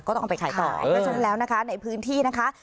เอาไปขายต่อเพราะฉะนั้นแล้วนะคะในพื้นที่นะคะ